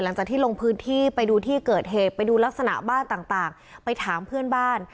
หลังจากที่ลงพื้นที่ไปดูที่เกิดเหตุไปดูลักษณะบ้านต่างไปถามเพื่อนบ้าน